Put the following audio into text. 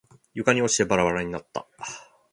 床に落ちてバラバラになった。